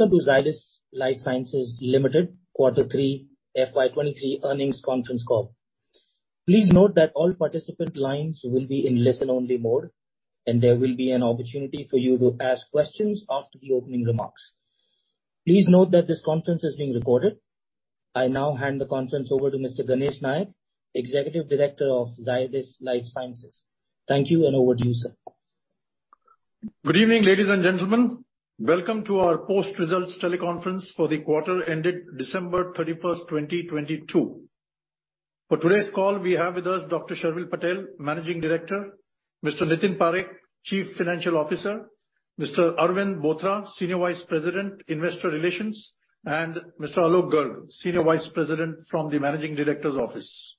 Welcome to Zydus Lifesciences Limited Quarter Three FY 2023 Earnings Conference Call. Please note that all participant lines will be in listen-only mode, and there will be an opportunity for you to ask questions after the opening remarks. Please note that this conference is being recorded. I now hand the conference over to Mr. Ganesh Nayak, Executive Director of Zydus Lifesciences. Thank you and over to you, sir. Good evening, ladies and gentlemen. Welcome to our post-results teleconference for the quarter ended December 31st, 2022. For today's call, we have with us Dr. Sharvil Patel, Managing Director; Mr. Nitin Parekh, Chief Financial Officer; Mr. Arvind Bothra, Senior Vice President, Investor Relations; and Mr. Alok Garg, Senior Vice President from the Managing Director's Office.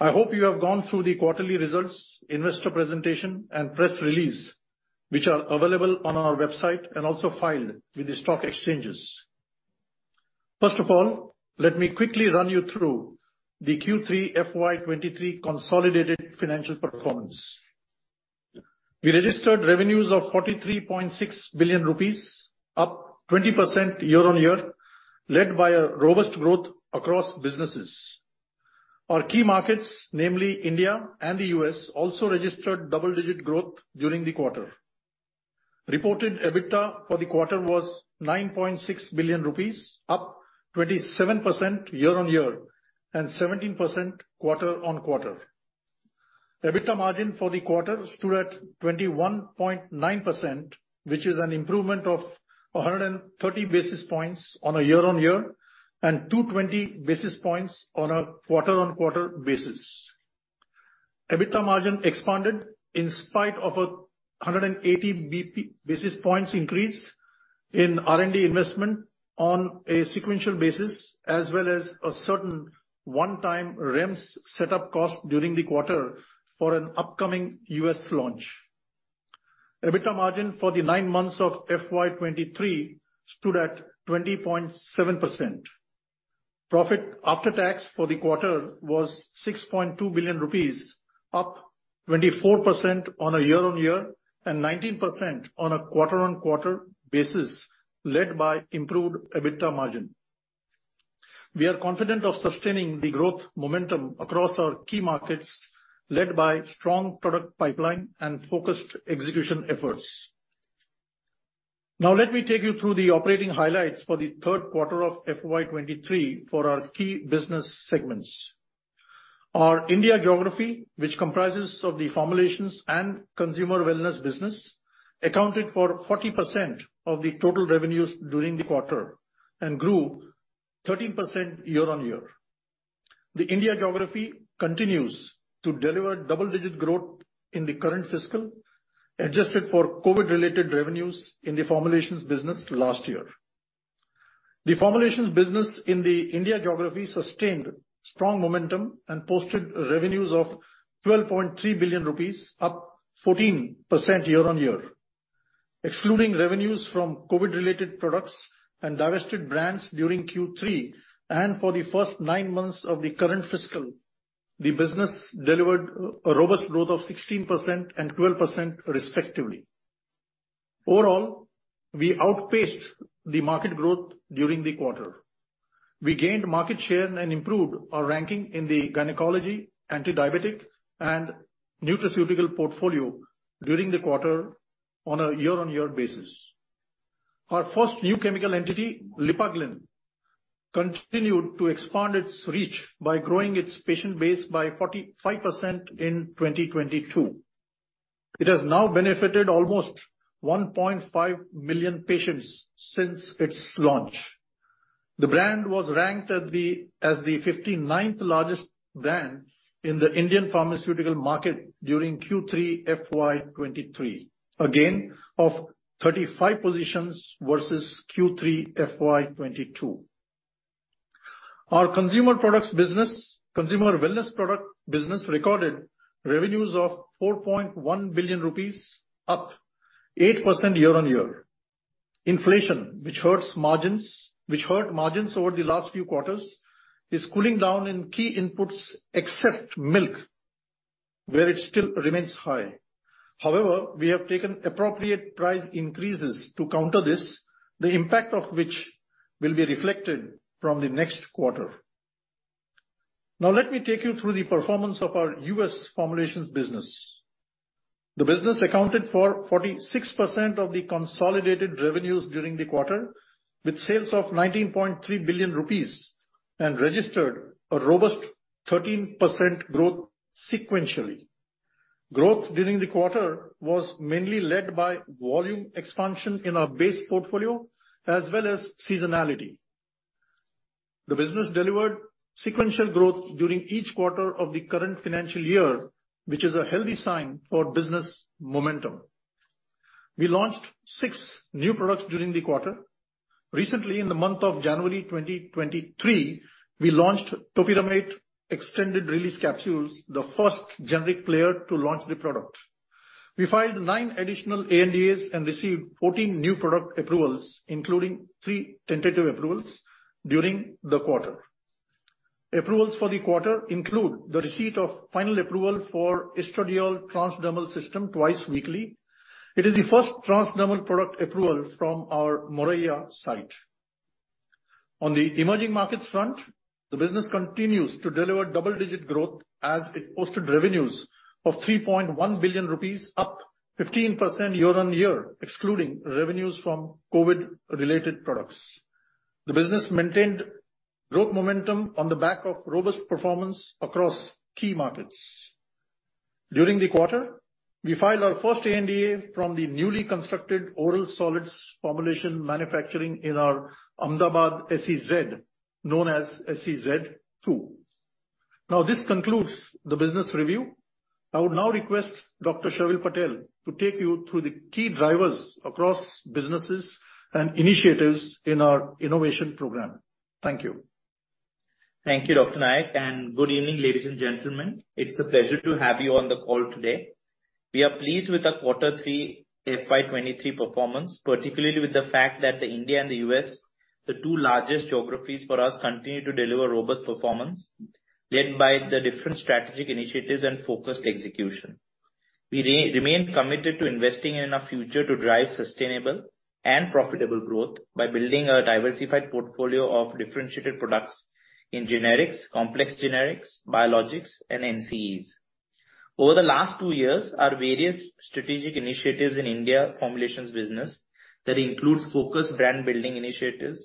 I hope you have gone through the quarterly results, investor presentation, and press release, which are available on our website and also filed with the stock exchanges. First of all, let me quickly run you through the Q3 FY 2023 consolidated financial performance. We registered revenues of 43.6 billion rupees, up 20% year-on-year, led by a robust growth across businesses. Our key markets, namely India and the U.S., also registered double-digit growth during the quarter. Reported EBITDA for the quarter was 9.6 billion rupees, up 27% year-on-year and 17% quarter-on-quarter. EBITDA margin for the quarter stood at 21.9%, which is an improvement of 130 basis points on a year-on-year, and 220 basis points on a quarter-on-quarter basis. EBITDA margin expanded in spite of 180 basis points increase in R&D investment on a sequential basis, as well as a certain one-time REMS set-up cost during the quarter for an upcoming U.S. launch. EBITDA margin for the nine months of FY 2023 stood at 20.7%. Profit after tax for the quarter was 6.2 billion rupees, up 24% on a year-on-year and 19% on a quarter-on-quarter basis, led by improved EBITDA margin. We are confident of sustaining the growth momentum across our key markets, led by strong product pipeline and focused execution efforts. Let me take you through the operating highlights for the third quarter of FY 2023 for our key business segments. Our India geography, which comprises of the Formulations and Consumer Wellness business, accounted for 40% of the total revenues during the quarter and grew 13% year-on-year. The India geography continues to deliver double-digit growth in the current fiscal, adjusted for COVID-related revenues in the formulations business last year. The formulations business in the India geography sustained strong momentum and posted revenues of 12.3 billion rupees, up 14% year-on-year. Excluding revenues from COVID-related products and divested brands during Q3 and for the first nine months of the current fiscal, the business delivered a robust growth of 16% and 12% respectively. Overall, we outpaced the market growth during the quarter. We gained market share and improved our ranking in the gynecology, antidiabetic, and nutraceutical portfolio during the quarter on a year-on-year basis. Our first new chemical entity, Lipaglyn, continued to expand its reach by growing its patient base by 45% in 2022. It has now benefited almost 1.5 million patients since its launch. The brand was ranked as the 59th largest brand in the Indian pharmaceutical market during Q3 FY 2023, a gain of 35 positions versus Q3 FY 2022. Our consumer wellness product business recorded revenues of 4.1 billion rupees, up 8% year-on-year. Inflation, which hurt margins over the last few quarters, is cooling down in key inputs except milk, where it still remains high. However, we have taken appropriate price increases to counter this, the impact of which will be reflected from the next quarter. Now let me take you through the performance of our U.S. formulations business. The business accounted for 46% of the consolidated revenues during the quarter, with sales of 19.3 billion rupees and registered a robust 13% growth sequentially. Growth during the quarter was mainly led by volume expansion in our base portfolio as well as seasonality. The business delivered sequential growth during each quarter of the current financial year, which is a healthy sign for business momentum. We launched six new products during the quarter. Recently, in the month of January 2023, we launched Topiramate extended-release capsules, the first generic player to launch the product. We filed nine additional ANDAs and received 14 new product approvals, including three tentative approvals during the quarter. Approvals for the quarter include the receipt of final approval for estradiol transdermal system twice weekly. It is the first transdermal product approval from our Moraiya site. On the emerging markets front, the business continues to deliver double-digit growth as it posted revenues of 3.1 billion rupees, up 15% year-on-year, excluding revenues from COVID-related products. The business-maintained growth momentum on the back of robust performance across key markets. During the quarter, we filed our first ANDA from the newly constructed oral solids formulation manufacturing in our Ahmedabad SEZ, known as SEZ II. This concludes the business review. I would now request Dr. Sharvil Patel to take you through the key drivers across businesses and initiatives in our innovation program. Thank you. Thank you, Dr. Nayak, and good evening, ladies and gentlemen. It's a pleasure to have you on the call today. We are pleased with the quarter three FY 2023 performance, particularly with the fact that the India and the U.S., the two largest geographies for us, continue to deliver robust performance led by the different strategic initiatives and focused execution. We remain committed to investing in our future to drive sustainable and profitable growth by building a diversified portfolio of differentiated products in generics, complex generics, biologics and NCEs. Over the last two years, our various strategic initiatives in India formulations business, that includes focused brand building initiatives,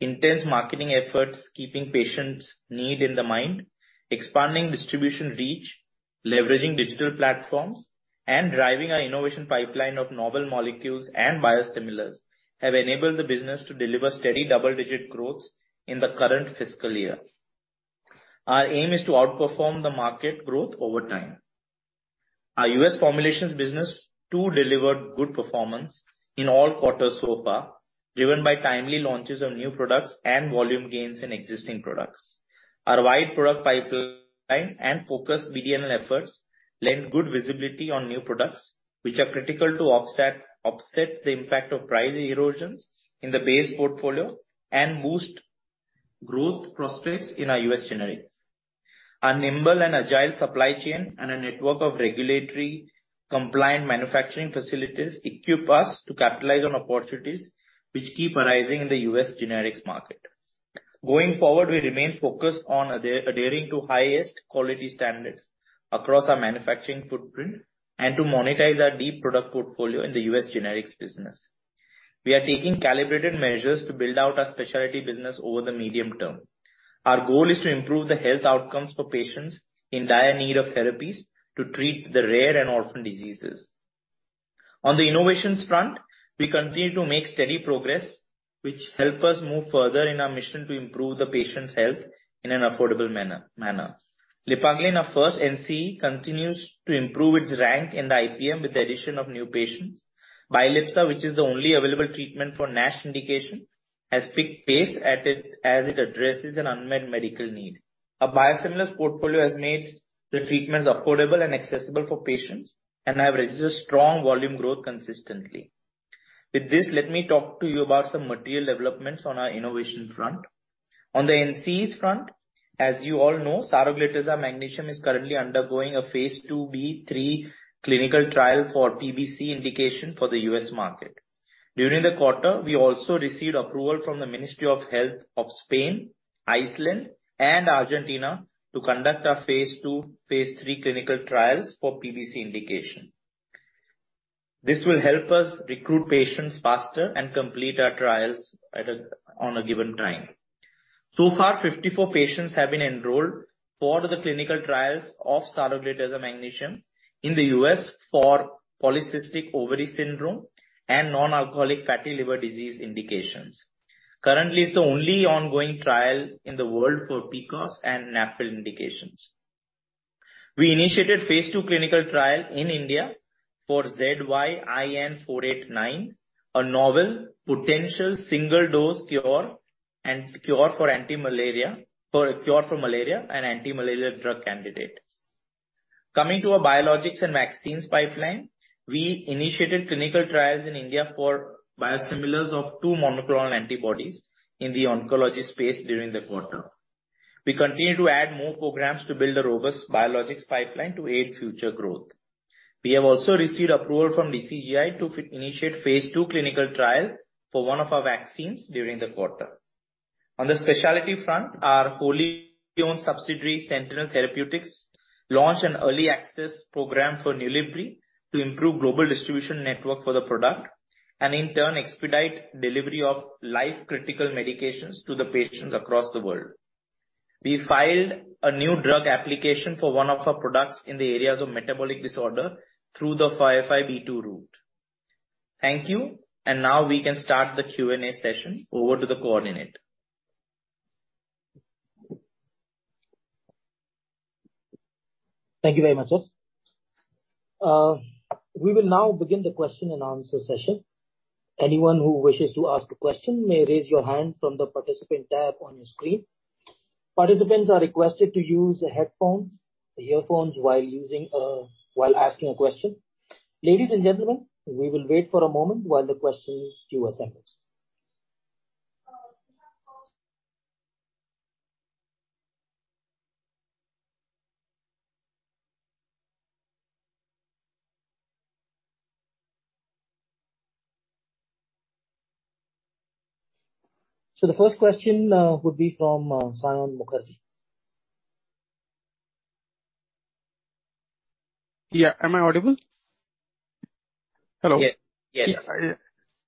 intense marketing efforts, keeping patients' need in the mind, expanding distribution reach, leveraging digital platforms, and driving our innovation pipeline of novel molecules and biosimilars, have enabled the business to deliver steady double-digit growth in the current fiscal year. Our aim is to outperform the market growth over time. Our U.S. formulations business too delivered good performance in all quarters so far, driven by timely launches of new products and volume gains in existing products. Our wide product pipeline and focused BD&L efforts lend good visibility on new products, which are critical to offset the impact of price erosions in the base portfolio and boost growth prospects in our U.S. generics. Our nimble and agile supply chain and a network of regulatory compliant manufacturing facilities equip us to capitalize on opportunities which keep arising in the U.S. generics market. Going forward, we remain focused on adhering to highest quality standards across our manufacturing footprint and to monetize our deep product portfolio in the U.S. generics business. We are taking calibrated measures to build out our specialty business over the medium term. Our goal is to improve the health outcomes for patients in dire need of therapies to treat the rare and orphan diseases. On the innovations front, we continue to make steady progress, which help us move further in our mission to improve the patient's health in an affordable manner. Lipaglyn, our first NCE, continues to improve its rank in the IPM with the addition of new patients. Bilypsa, which is the only available treatment for NASH indication, has picked pace as it addresses an unmet medical need. Our biosimilars portfolio has made the treatments affordable and accessible for patients and have registered strong volume growth consistently. Let me talk to you about some material developments on our innovation front. On the NCEs front, as you all know, Saroglitazar Magnesium is currently undergoing a phase II-B/III clinical trial for PBC indication for the U.S. market. During the quarter, we also received approval from the Ministry of Health of Spain, Iceland and Argentina to conduct our phase II, phase III clinical trials for PBC indication. This will help us recruit patients faster and complete our trials on a given time. So far, 54 patients have been enrolled for the clinical trials of Saroglitazar Magnesium in the U.S. for polycystic ovary syndrome and non-alcoholic fatty liver disease indications. Currently, it's the only ongoing trial in the world for PCOS and NAFLD indications. We initiated phase II clinical trial in India for ZY19489, a novel potential single-dose cure and cure for malaria and anti-malaria drug candidate. Coming to our biologics and vaccines pipeline, we initiated clinical trials in India for biosimilars of two monoclonal antibodies in the oncology space during the quarter. We continue to add more programs to build a robust biologics pipeline to aid future growth. We have also received approval from DCGI to initiate phase II clinical trial for one of our vaccines during the quarter. On the specialty front, our wholly-owned subsidiary, Sentynl Therapeutics, launched an early access program for NULIBRY to improve global distribution network for the product, and in turn expedite delivery of life-critical medications to the patients across the world. We filed a new drug application for one of our products in the areas of metabolic disorder through the 505(b)(2) route. Thank you. Now we can start the Q&A session. Over to the coordinator. Thank you very much, Sharvil. We will now begin the question-and-answer session. Anyone who wishes to ask a question may raise your hand from the Participant tab on your screen. Participants are requested to use headphones, earphones while using, while asking a question. Ladies and gentlemen, we will wait for a moment while the questions queue ourselves. The first question would be from Saion Mukherjee. Yeah. Am I audible? Hello. Yeah.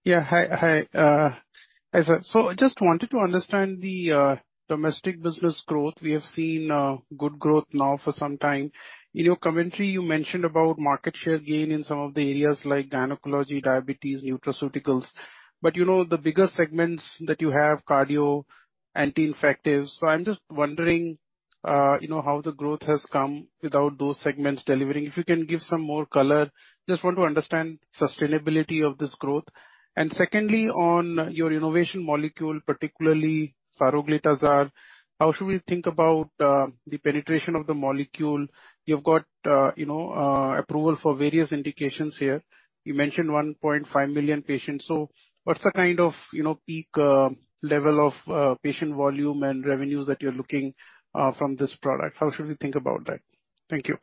Yeah. Hi. Hi. Hi, sir. I just wanted to understand the domestic business growth. We have seen good growth now for some time. In your commentary, you mentioned about market share gain in some of the areas like gynecology, diabetes, nutraceuticals, but you know the bigger segments that you have, cardio, anti-infectives. I'm just wondering, you know, how the growth has come without those segments delivering. If you can give some more color. Just want to understand sustainability of this growth. Secondly, on your innovation molecule, particularly Saroglitazar, how should we think about the penetration of the molecule? You've got, you know, approval for various indications here. You mentioned 1.5 million patients. What's the kind of, you know, peak level of patient volume and revenues that you're looking from this product? How should we think about that? Thank you.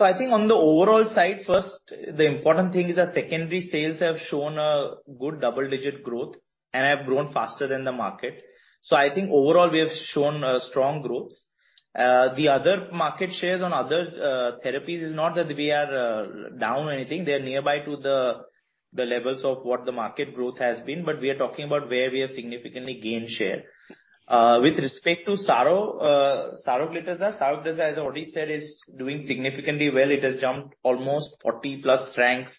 I think on the overall side, first the important thing is our secondary sales have shown a good double-digit growth and have grown faster than the market. I think overall we have shown strong growth. The other market shares on other therapies is not that we are down or anything. They are nearby to the levels of what the market growth has been, but we are talking about where we have significantly gained share. With respect to Saroglitazar. Saroglitazar, as I already said, is doing significantly well. It has jumped almost 40+ ranks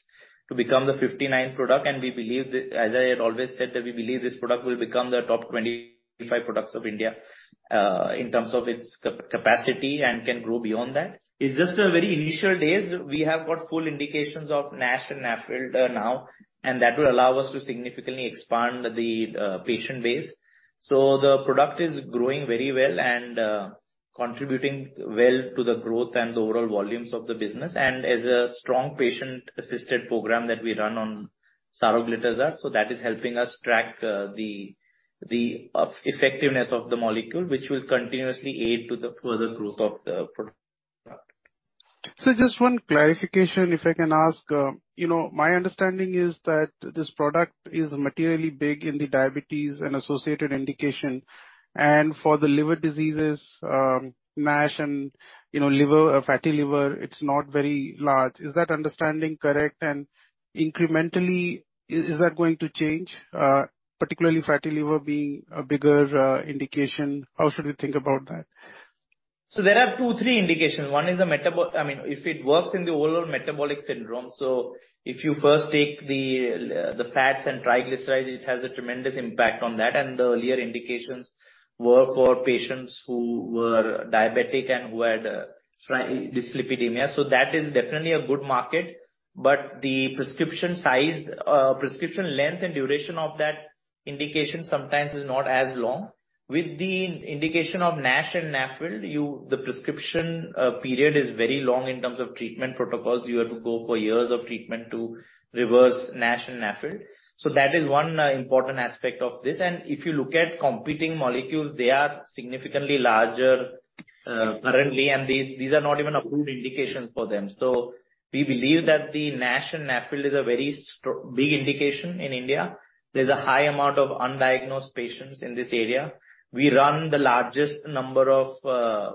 to become the 59 product, and we believe that, as I have always said that we believe this product will become the top 25 products of India in terms of its capacity and can grow beyond that. It's just the very initial days. We have got full indications of NASH and NAFLD now. That will allow us to significantly expand the patient base. The product is growing very well and contributing well to the growth and the overall volumes of the business. There's a strong patient-assisted program that we run on Saroglitazar. That is helping us track the effectiveness of the molecule, which will continuously aid to the further growth of the product. Just one clarification, if I can ask. My understanding is that this product is materially big in the diabetes and associated indication, and for the liver diseases, NASH and fatty liver, it's not very large. Is that understanding correct? And incrementally, is that going to change, particularly fatty liver being a bigger indication? How should we think about that? There are two, three indications. One is, I mean, if it works in the overall metabolic syndrome, if you first take the fats and triglycerides, it has a tremendous impact on that. The earlier indications were for patients who were diabetic and who had dyslipidemia. That is definitely a good market. The prescription size, prescription length and duration of that indication sometimes is not as long. With the indication of NASH and NAFLD, you, the prescription period is very long in terms of treatment protocols. You have to go for years of treatment to reverse NASH and NAFLD. That is one important aspect of this. If you look at competing molecules, they are significantly larger currently, and these are not even approved indication for them. We believe that the NASH and NAFLD is a very big indication in India. There's a high amount of undiagnosed patients in this area. We run the largest number of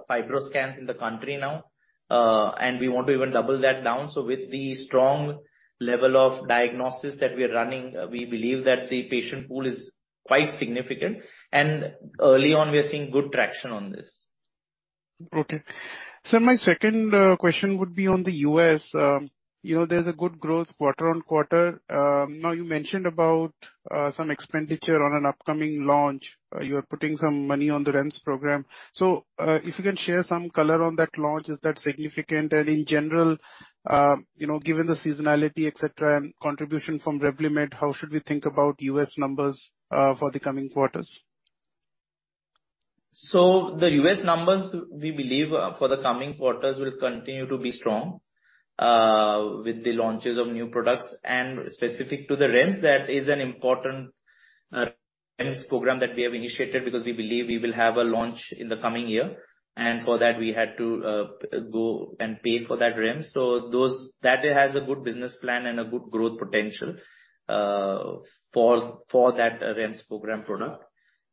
FibroScans in the country now, and we want to even double that down. With the strong level of diagnosis that we are running, we believe that the patient pool is quite significant and early on we are seeing good traction on this. Okay. Sir, my second question would be on the U.S. You know, there's a good growth quarter-on-quarter. Now you mentioned about some expenditure on an upcoming launch. You are putting some money on the REMS program. If you can share some color on that launch, is that significant? In general, you know, given the seasonality, et cetera, and contribution from Revlimid, how should we think about U.S. numbers for the coming quarters? The U.S. numbers we believe for the coming quarters will continue to be strong with the launches of new products and specific to the REMS that is an important program that we have initiated because we believe we will have a launch in the coming year. For that we had to go and pay for that REMS. That has a good business plan and a good growth potential for that REMS program product.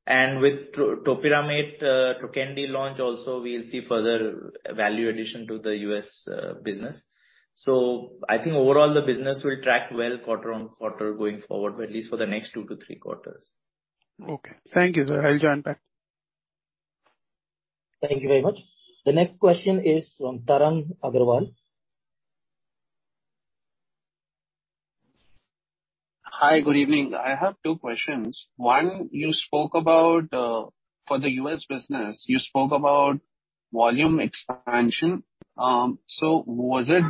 With Topiramate Trokendi launch also we'll see further value addition to the U.S. business. I think overall the business will track well quarter on quarter going forward, at least for the next two to three quarters. Okay. Thank you, sir. I'll join back. Thank you very much. The next question is from Tarang Agrawal. Hi. Good evening. I have two questions. One, you spoke about for the U.S. business, you spoke about volume expansion. Was it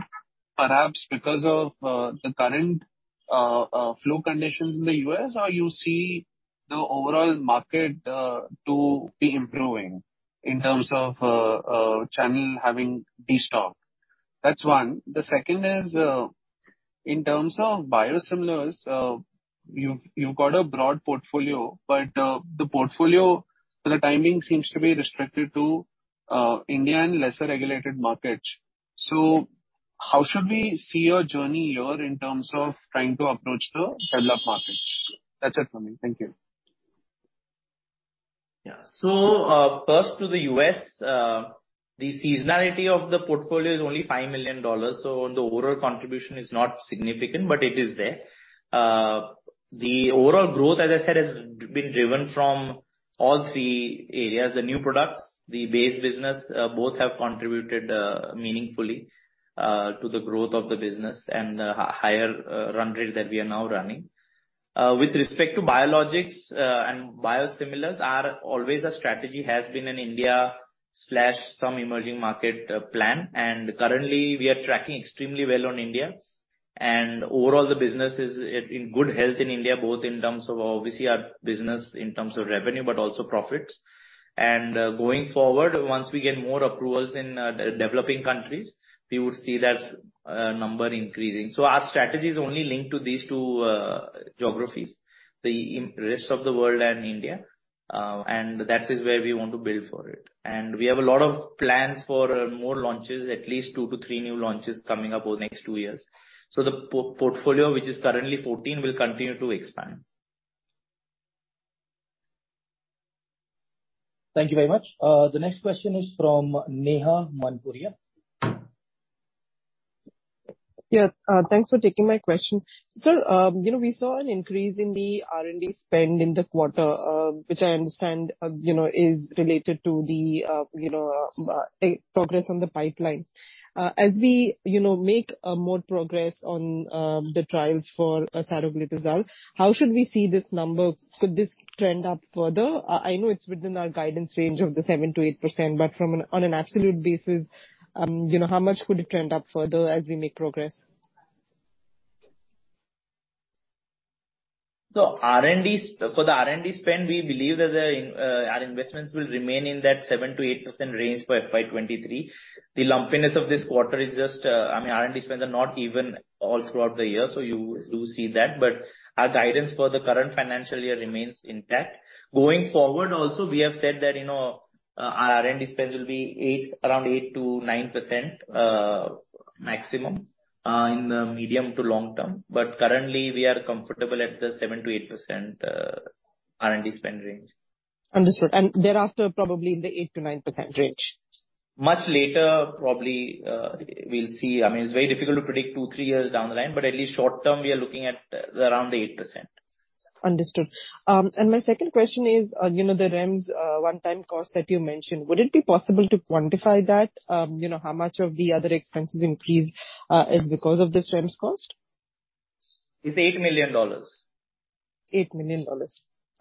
perhaps because of the current flow conditions in the U.S.? The overall market to be improving in terms of channel having destock. That's one. The second is in terms of biosimilars, you've got a broad portfolio, but the portfolio, the timing seems to be restricted to India and lesser regulated markets. How should we see your journey here in terms of trying to approach the developed markets? That's it for me. Thank you. First to the U.S., the seasonality of the portfolio is only $5 million, so the overall contribution is not significant, but it is there. The overall growth, as I said, has been driven from all three areas, the new products, the base business, both have contributed meaningfully to the growth of the business and the higher run rate that we are now running. With respect to biologics and biosimilars are always a strategy, has been in India/some emerging market plan, and currently we are tracking extremely well on India. Overall the business is in good health in India, both in terms of obviously our business in terms of revenue, but also profits. Going forward, once we get more approvals in developing countries, we would see that number increasing. Our strategy is only linked to these two geographies, the rest of the world and India, and that is where we want to build for it. We have a lot of plans for more launches, at least two to three new launches coming up over the next two years. The portfolio, which is currently 14 will continue to expand. Thank you very much. The next question is from Neha Manpuria. Thanks for taking my question. You know, we saw an increase in the R&D spend in the quarter, which I understand, you know, is related to the, you know, progress on the pipeline. As we, you know, make more progress on the trials for Saroglitazar, how should we see this number? Could this trend up further? I know it's within our guidance range of the 7%-8%, but from an, on an absolute basis, you know, how much could it trend up further as we make progress? The R&D spend, we believe that the in our investments will remain in that 7%-8% range for FY 2023. The lumpiness of this quarter is just, I mean, R&D spends are not even all throughout the year, so you do see that, but our guidance for the current financial year remains intact. Going forward also, we have said that, you know, our R&D spends will be around 8%-9% maximum in the medium to long term. Currently we are comfortable at the 7%-8% R&D spend range. Understood. Thereafter probably in the 8%-9% range. Much later probably, we'll see. I mean, it's very difficult to predict two, three years down the line. At least short term we are looking at around the 8%. Understood. My second question is, you know, the REMS, one-time cost that you mentioned, would it be possible to quantify that? You know, how much of the other expenses increase is because of this REMS cost? It's $8 million. $8 million.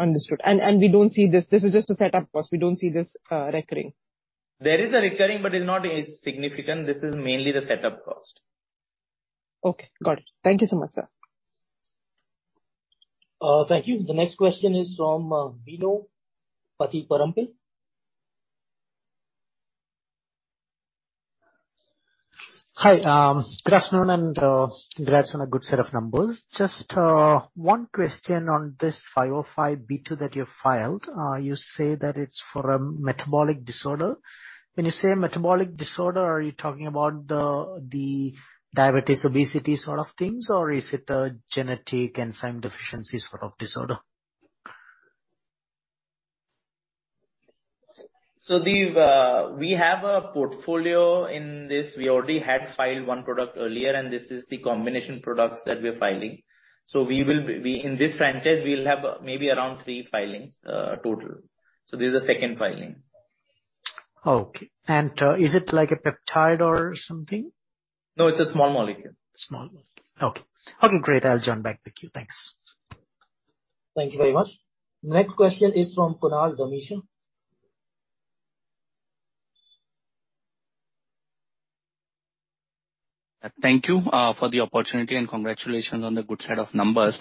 Understood. We don't see this. This is just a setup cost. We don't see this recurring. There is a recurring, but it's not as significant. This is mainly the setup cost. Okay. Got it. Thank you so much, sir. Thank you. The next question is from Bino Pathiparampil. Hi. good afternoon and congrats on a good set of numbers. Just one question on this 505(b)(2) that you filed. You say that it's for a metabolic disorder. When you say metabolic disorder, are you talking about the diabetes, obesity sort of things, or is it a genetic enzyme deficiency sort of disorder? The, we have a portfolio in this. We already had filed one product earlier, and this is the combination products that we're filing. We, in this franchise, we'll have maybe around three filings total. This is the second filing. Okay. Is it like a peptide or something? No, it's a small molecule. Small molecule. Okay. Okay, great. I'll join back the queue. Thanks. Thank you very much. Next question is from Kunal Dhamesha. Thank you for the opportunity. Congratulations on the good set of numbers.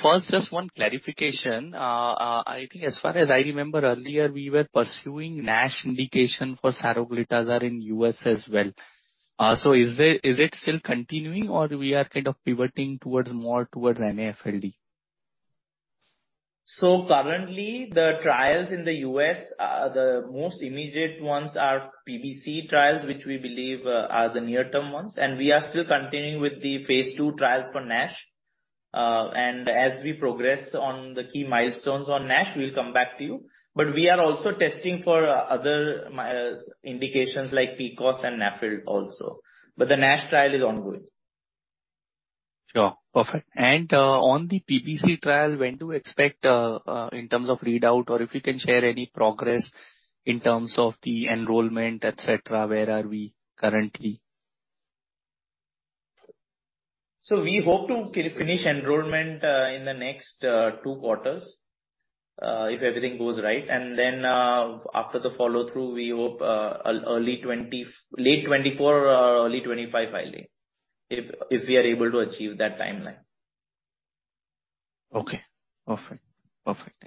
First just one clarification. I think as far as I remember earlier, we were pursuing NASH indication for Saroglitazar in U.S. as well. Is it still continuing or we are kind of pivoting towards more towards NAFLD? Currently the trials in the U.S., the most immediate ones are PBC trials, which we believe, are the near-term ones, and we are still continuing with the phase II trials for NASH. As we progress on the key milestones on NASH, we'll come back to you. We are also testing for other indications like PCOS and NAFLD also. The NASH trial is ongoing. Sure. Perfect. On the PBC trial, when to expect, in terms of readout or if you can share any progress in terms of the enrollment, et cetera, where are we currently? We hope to finish enrollment in the next two quarters if everything goes right. Then after the follow-through, we hope late 2024 or early 2025 filing, if we are able to achieve that timeline. Okay, perfect. Perfect.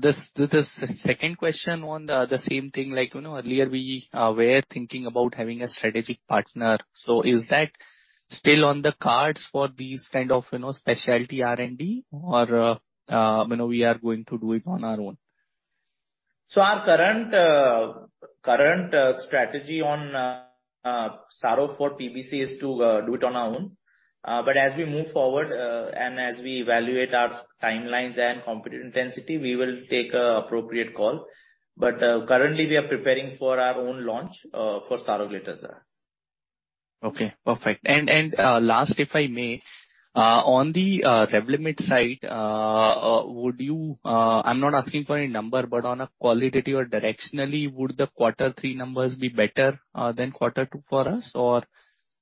This is second question on the same thing, like, you know, earlier we were thinking about having a strategic partner. Is that still on the cards for these kind of, you know, specialty R&D or, you know, we are going to do it on our own? Our current strategy on Saro for PBC is to do it on our own. As we move forward, and as we evaluate our timelines and competitive intensity, we will take an appropriate call. Currently we are preparing for our own launch for Saroglitazar. Okay, perfect. Last if I may, on the Revlimid side, would you I'm not asking for a number, but on a qualitative or directionally, would the quarter three numbers be better than quarter two for us?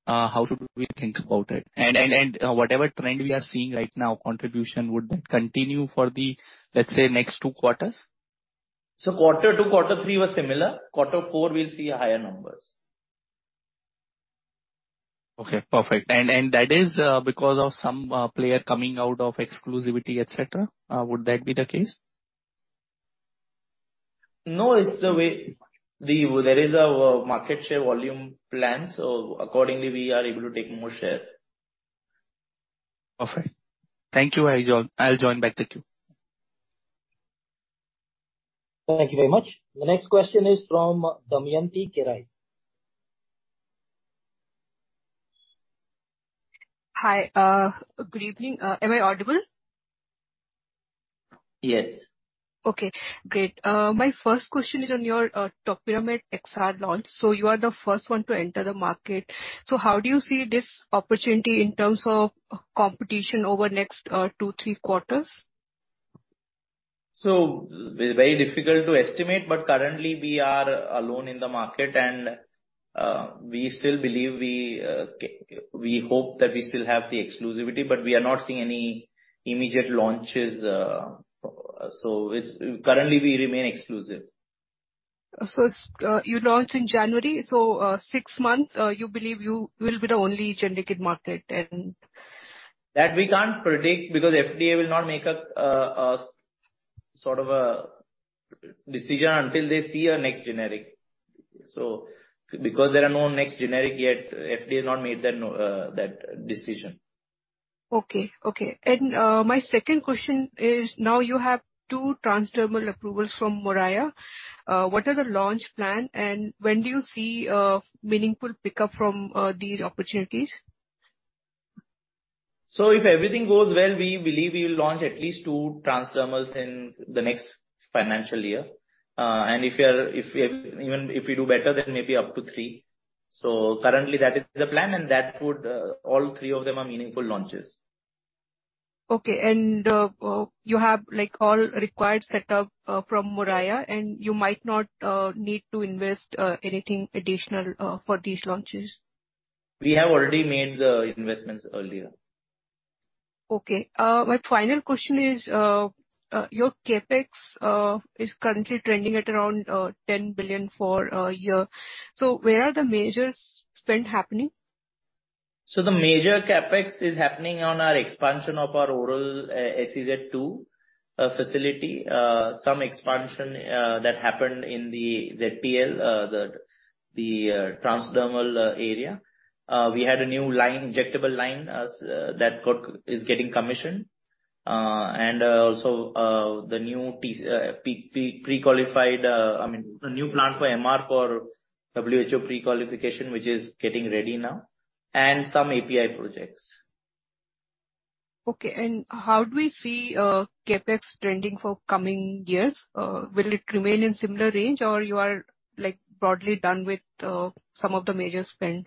How should we think about it? Whatever trend we are seeing right now, contribution, would that continue for the, let's say, next two quarters? Quarter two, quarter three was similar. Quarter four we'll see higher numbers. Okay, perfect. That is because of some player coming out of exclusivity, et cetera, would that be the case? No. It's the way. There is a market share volume plan. Accordingly, we are able to take more share. Okay. Thank you. I'll join back the queue. Thank you very much. The next question is from Damayanti Kerai. Hi. Good evening. Am I audible? Yes. Okay, great. My first question is on your Topiramate XR launch. You are the first one to enter the market. How do you see this opportunity in terms of competition over next two, three quarters? Very difficult to estimate, but currently we are alone in the market and we still believe we hope that we still have the exclusivity, but we are not seeing any immediate launches. It's currently we remain exclusive. you launched in January, so, six months, you believe you will be the only generic in market? We can't predict because FDA will not make a sort of a decision until they see a next generic. Because there are no next generic yet, FDA has not made that decision. Okay. Okay. My second question is, now you have two transdermal approvals from Moraiya. What are the launch plan, and when do you see a meaningful pickup from these opportunities? If everything goes well, we believe we will launch at least two transdermals in the next financial year. If we are, even if we do better, then maybe up to three. Currently that is the plan and that would, all three of them are meaningful launches. Okay. You have like all required setup from Moraiya, and you might not need to invest anything additional for these launches? We have already made the investments earlier. Okay. My final question is, your CapEx is currently trending at around 10 billion for a year. Where are the major spend happening? The major CapEx is happening on our expansion of our oral SEZ II facility. Some expansion that happened in the ZTL, the transdermal area. We had a new line, injectable line as that is getting commissioned. Also, the new pre-qualified, I mean, a new plant for MR for WHO pre-qualification, which is getting ready now, and some API projects. Okay. How do we see CapEx trending for coming years? Will it remain in similar range or you are like broadly done with some of the major spend?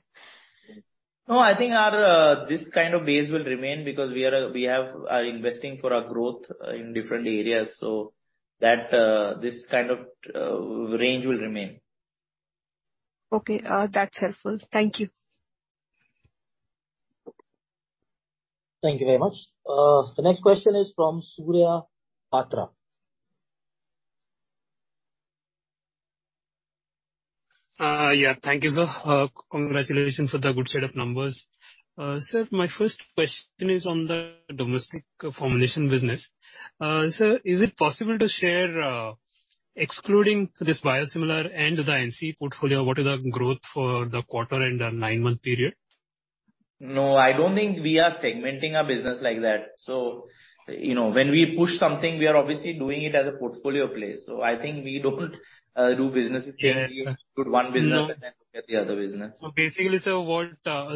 I think our, this kind of base will remain because we are investing for our growth in different areas, so that, this kind of, range will remain. Okay. That's helpful. Thank you. Thank you very much. The next question is from Surya Patra. Yeah. Thank you, sir. Congratulations for the good set of numbers. Sir, my first question is on the domestic formulation business. Sir, is it possible to share, excluding this biosimilar and the NCE portfolio, what is the growth for the quarter and the nine-month period? I don't think we are segmenting our business like that. you know, when we push something, we are obviously doing it as a portfolio play. I think we don't. Yeah, yeah. with one business No. Then look at the other business. Basically, sir, what,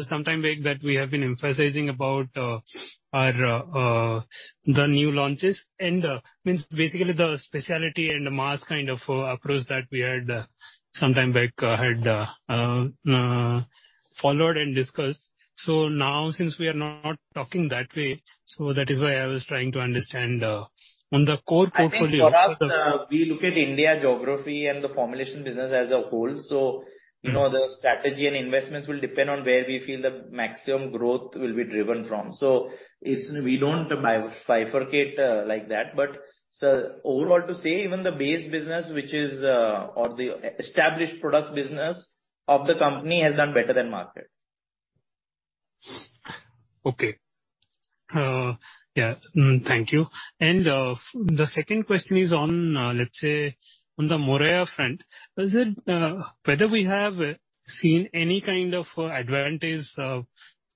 some time back that we have been emphasizing about, our, the new launches and, means basically the specialty and the mass kind of approach that we had sometime back had, followed and discussed. Now since we are not talking that way, so that is why I was trying to understand, on the core portfolio I think for us, we look at India geography and the formulation business as a whole. You know, the strategy and investments will depend on where we feel the maximum growth will be driven from. It's, we don't bifurcate like that. Sir, overall to say even the base business which is, or the established products business of the company has done better than market. Yeah, thank you. The second question is on, let's say on the Moraiya front. Is it whether we have seen any kind of advantage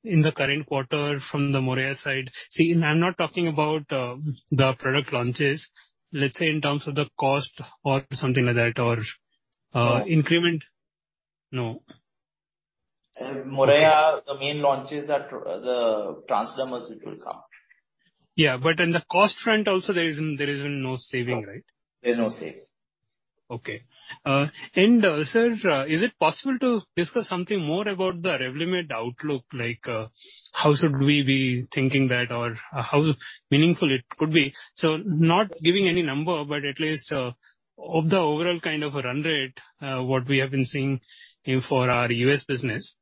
in the current quarter from the Moraiya side? See, I'm not talking about the product launches, let's say in terms of the cost or something like that or increment. No. Moraiya, the main launches are the transdermals which will come. Yeah. In the cost front also there is no saving, right? There's no saving. Sir, is it possible to discuss something more about the Revlimid outlook? Like, how should we be thinking that or how meaningful it could be. Not giving any number, but at least, of the overall kind of a run rate, what we have been seeing, for our U.S. business.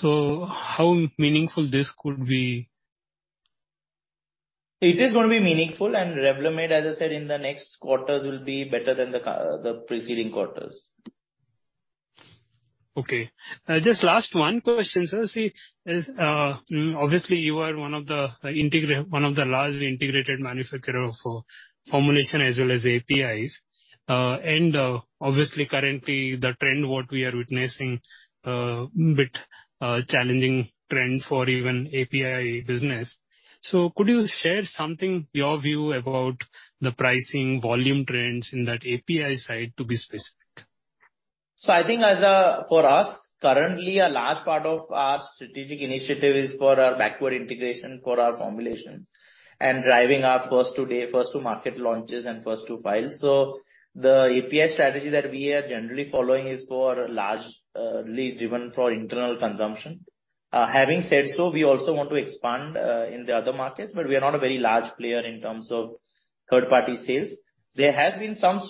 How meaningful this could be? It is gonna be meaningful and Revlimid, as I said in the next quarters, will be better than the preceding quarters. Okay. Just last one question, sir. See is, obviously you are one of the large integrated manufacturer of formulation as well as APIs. obviously currently the trend, what we are witnessing, bit challenging trend for even API business. Could you share something, your view about the pricing volume trends in that API side, to be specific? I think for us, currently a large part of our strategic initiative is for our backward integration, for our formulations and driving our first to day, first to market launches and first to file. The API strategy that we are generally following is for large, largely driven for internal consumption. Having said so, we also want to expand in the other markets, but we are not a very large player in terms of third party sales. There has been some,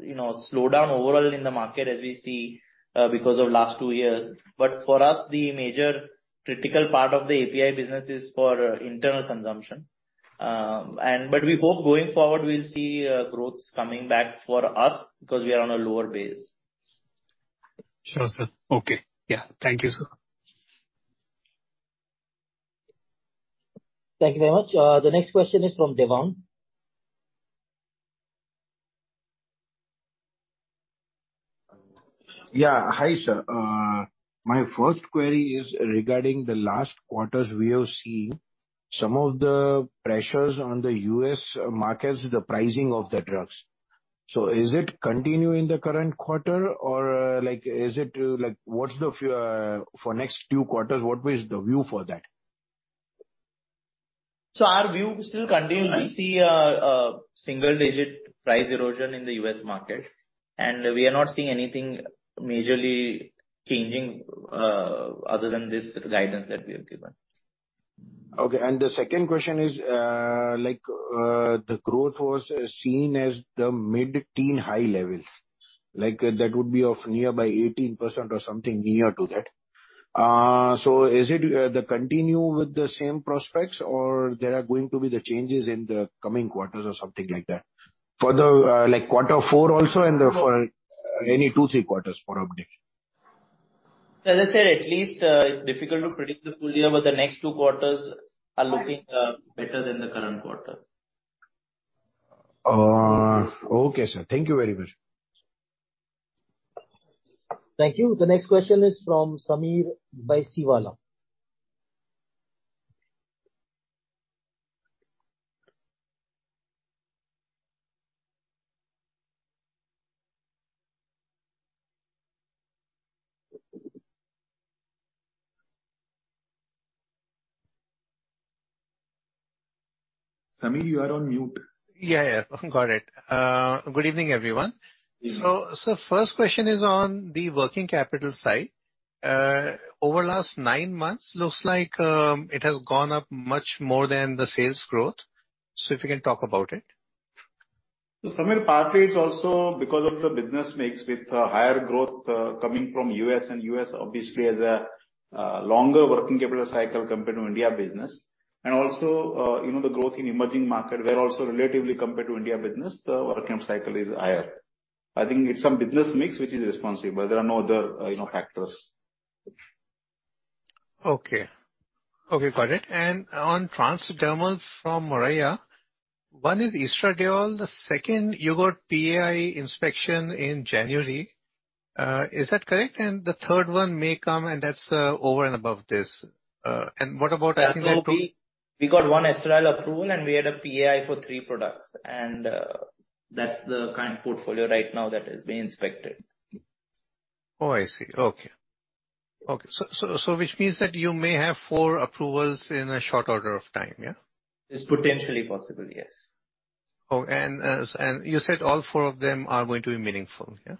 you know, slowdown overall in the market as we see because of last two years. For us, the major critical part of the API business is for internal consumption. We hope going forward, we'll see growth coming back for us because we are on a lower base. Sure, sir. Okay. Yeah. Thank you, sir. Thank you very much. The next question is from Devang. Yeah. Hi, sir. My first query is regarding the last quarter's we are seeing, some of the pressures on the U.S. markets, the pricing of the drugs. Is it continue in the current quarter or for next two quarters, what is the view for that? Our view still continues. We see single digit price erosion in the U.S. market, and we are not seeing anything majorly changing other than this guidance that we have given. Okay. The second question is, like, the growth was seen as the mid-teen high levels, like, that would be of nearby 18% or something near to that. Is it, the continue with the same prospects or there are going to be the changes in the coming quarters or something like that? For the, like quarter four also. No. for any two, three quarters for update. As I said, at least, it's difficult to predict the full year. The next two quarters are looking better than the current quarter. Okay, sir. Thank you very much. Thank you. The next question is from Sameer Baisiwala. Sameer, you are on mute. Yeah, yeah. Got it. Good evening, everyone. Evening. First question is on the working capital side. Over last nine months, looks like, it has gone up much more than the sales growth. If you can talk about it. Sameer, partly it's also because of the business mix with higher growth coming from U.S., and U.S. obviously has a longer working capital cycle compared to India business. Also, you know, the growth in emerging market where also relatively compared to India business, the working capital cycle is higher. I think it's some business mix which is responsible. There are no other, you know, factors. Okay. Okay, got it. On transdermal from Moraiya, one is estradiol. The second you got PAI inspection in January. Is that correct? The third one may come and that's over and above this. What about I think approval- We got one Estradiol approval, we had a PAI for three products, and that's the current portfolio right now that is being inspected. Oh, I see. Okay. Okay. which means that you may have four approvals in a short order of time, yeah? It's potentially possible, yes. You said all four of them are going to be meaningful, yeah?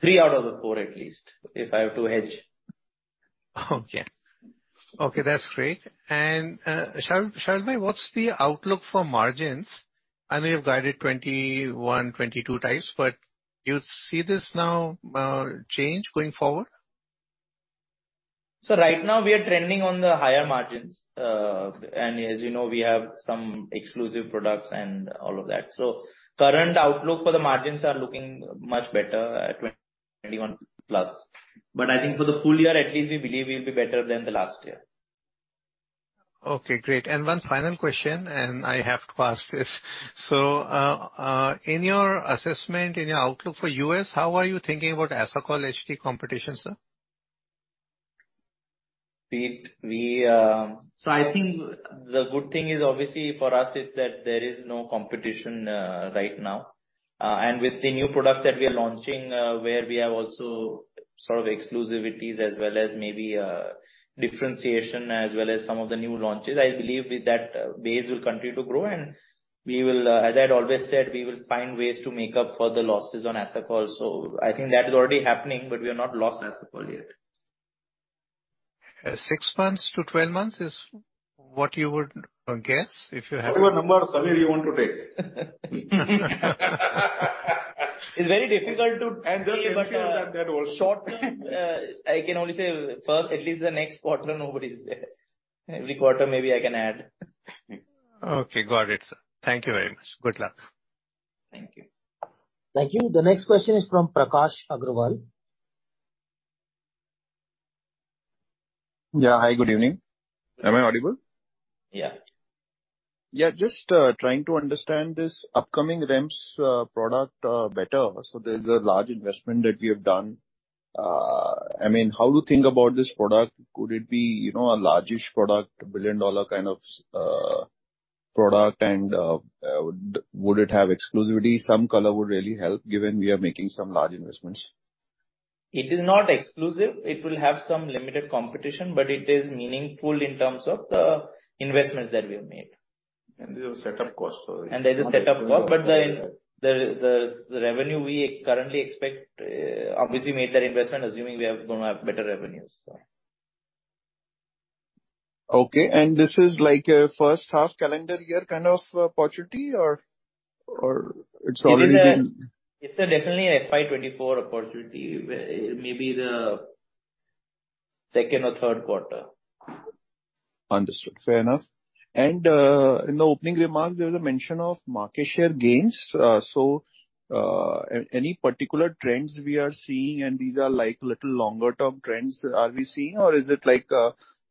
Three out of the four at least, if I have to hedge. Okay, that's great. Sharvil, what's the outlook for margins? I know you've guided 21x, 22x, but you see this now, change going forward? Right now we are trending on the higher margins. As you know, we have some exclusive products and all of that. Current outlook for the margins are looking much better at 21%+. I think for the full year at least, we believe we'll be better than the last year. Okay, great. One final question, and I have to ask this. In your assessment, in your outlook for U.S., how are you thinking about Asacol HD competition, sir? I think the good thing is obviously for us is that there is no competition right now. With the new products that we are launching, where we have also sort of exclusivities as well as maybe differentiation as well as some of the new launches, I believe with that base will continue to grow and we will, as I'd always said, we will find ways to make up for the losses on Asacol. I think that is already happening, but we have not lost Asacol yet. Six months to 12 months is what you would guess, if you to- Whatever number, Sameer, you want to take. It's very difficult. just ensure that. Short term- I can only say for at least the next quarter, nobody's there. Every quarter, maybe I can add. Okay, got it, sir. Thank you very much. Good luck. Thank you. Thank you. The next question is from Prakash Agarwal. Yeah. Hi, good evening. Am I audible? Yeah. Yeah, just trying to understand this upcoming REMS product better. There's a large investment that we have done. I mean, how to think about this product, could it be, you know, a largish product, a billion-dollar kind of product and would it have exclusivity? Some color would really help given we are making some large investments. It is not exclusive. It will have some limited competition, but it is meaningful in terms of the investments that we have made. There's a setup cost also. There's a setup cost. The revenue we currently expect, obviously made that investment assuming we gonna have better revenues. Okay. this is like a first half calendar year kind of opportunity or it's already? It is, it's a definitely a FY 2024 opportunity, maybe the second or third quarter. Understood. Fair enough. In the opening remarks, there was a mention of market share gains. Any particular trends we are seeing, and these are like little longer-term trends are we seeing or is it like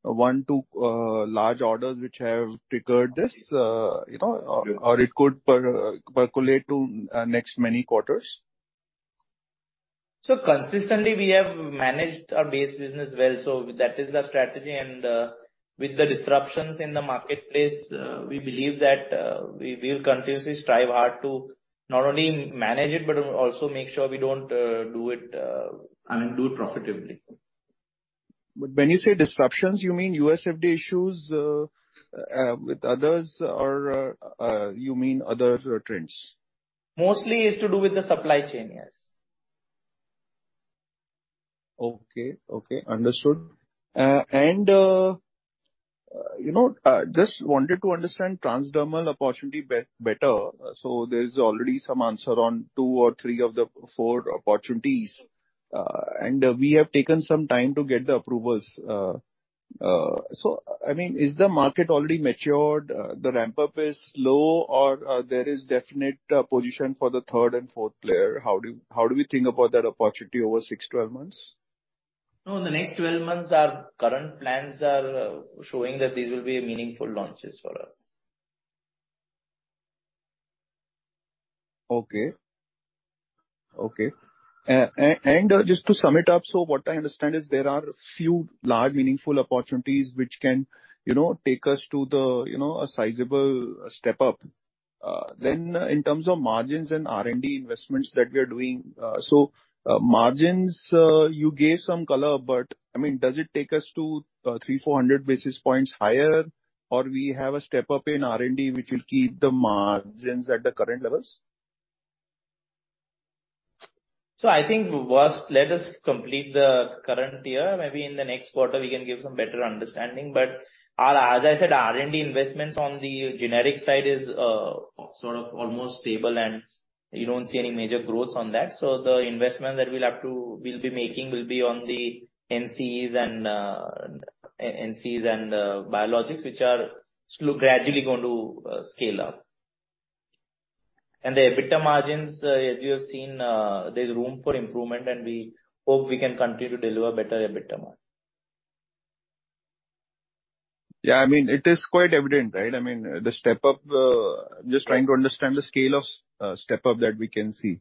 one, two large orders which have triggered this, you know, or it could percolate to next many quarters? Consistently we have managed our base business well, so that is the strategy. With the disruptions in the marketplace, we believe that we will continuously strive hard to not only manage it, but also make sure we don't, I mean, do it profitably. When you say disruptions, you mean USFDA issues with others or you mean other trends? Mostly it's to do with the supply chain, yes. Okay. Okay. Understood. You know, just wanted to understand transdermal opportunity better. There's already some answer on two or three of the four opportunities. We have taken some time to get the approvals. I mean, is the market already matured, the ramp-up is slow or, there is definite position for the third and fourth player? How do we think about that opportunity over six, 12 months? No, in the next 12 months, our current plans are showing that these will be meaningful launches for us. Okay. Okay. Just to sum it up, what I understand is there are a few large meaningful opportunities which can, you know, take us to the, you know, a sizable step up. In terms of margins and R&D investments that we are doing. Margins, you gave some color, but I mean, does it take us to 300, 400 basis points higher, or we have a step up in R&D which will keep the margins at the current levels? I think first let us complete the current year. Maybe in the next quarter we can give some better understanding. Our, as I said, R&D investments on the generic side is sort of almost stable and you don't see any major growth on that. The investment that we'll be making will be on the NCEs and biologics, which are gradually going to scale up. The EBITDA margins, as you have seen, there's room for improvement, and we hope we can continue to deliver better EBITDA margin. Yeah, I mean it is quite evident, right? I mean, the step up, I'm just trying to understand the scale of step up that we can see.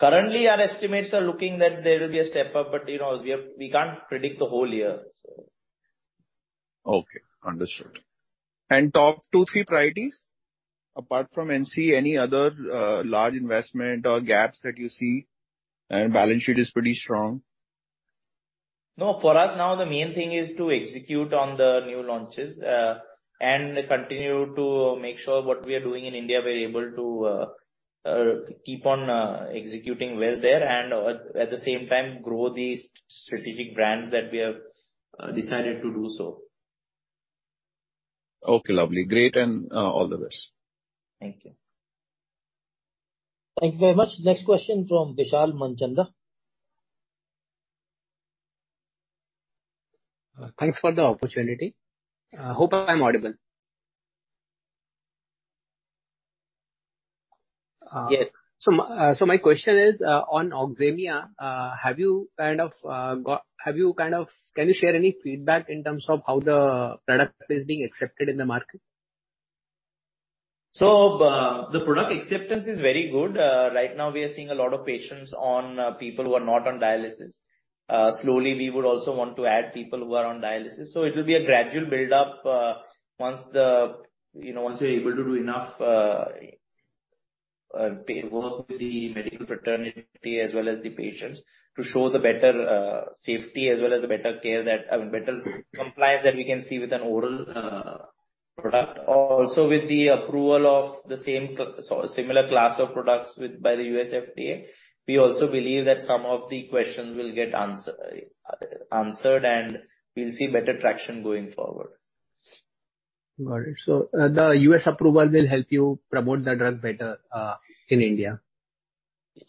Currently our estimates are looking that there will be a step up, but you know, we can't predict the whole year, so. Okay, understood. Top two, three priorities apart from NCE, any other large investment or gaps that you see and balance sheet is pretty strong? No, for us now the main thing is to execute on the new launches, and continue to make sure what we are doing in India, we're able to keep on executing well there and at the same time grow these strategic brands that we have decided to do so. Okay, lovely. Great. All the best. Thank you. Thank you very much. Next question from Vishal Manchanda. Thanks for the opportunity. Hope I'm audible. Yes. My question is on Oxemia. Can you share any feedback in terms of how the product is being accepted in the market? The product acceptance is very good. Right now we are seeing a lot of patients on people who are not on dialysis. Slowly, we would also want to add people who are on dialysis. It will be a gradual build-up, once the, you know, once you're able to do enough work with the medical fraternity as well as the patients to show the better safety as well as the better care that better compliance that we can see with an oral product. Also, with the approval of the same so similar class of products with, by the USFDA, we also believe that some of the questions will get answered and we'll see better traction going forward. Got it. The U.S. approval will help you promote the drug better, in India?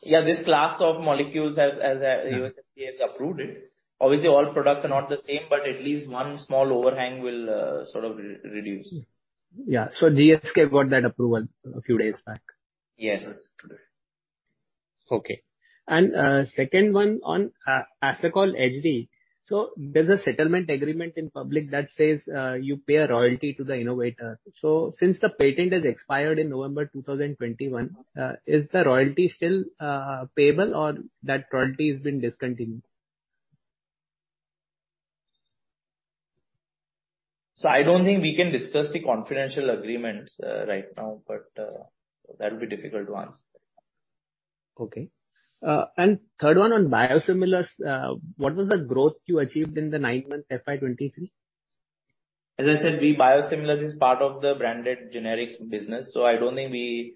Yeah. This class of molecules has... Yeah. USFDA has approved it. Obviously, all products are not the same, but at least one small overhang will sort of reduce. Yeah. GSK got that approval a few days back. Yes. Okay. Second one on Asacol HD. There's a settlement agreement in public that says, you pay a royalty to the innovator. Since the patent has expired in November 2021, is the royalty still payable or that royalty has been discontinued? I don't think we can discuss the confidential agreements, right now, but that would be difficult to answer. Okay. Third one on biosimilars. What was the growth you achieved in the nine-month FY 2023? As I said, the biosimilars is part of the branded generics business, so I don't think we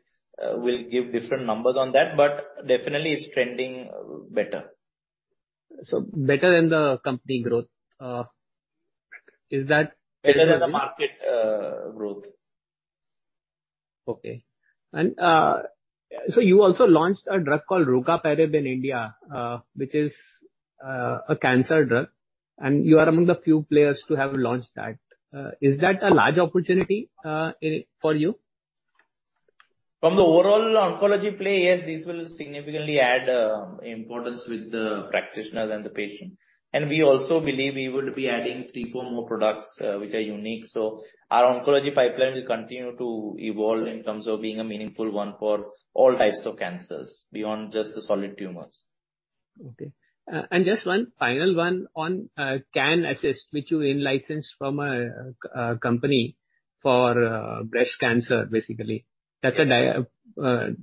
will give different numbers on that. Definitely it's trending better. better than the company growth? Better than the market, growth. Okay. You also launched a drug called Rucaparib in India, which is a cancer drug, and you are among the few players to have launched that. Is that a large opportunity for you? From the overall oncology play, yes, this will significantly add importance with the practitioners and the patients. We also believe we would be adding three, four more products which are unique. Our oncology pipeline will continue to evolve in terms of being a meaningful one for all types of cancers beyond just the solid tumors. Okay. Just one final one on CanAssist, which you in-licensed from a company for breast cancer, basically. That's a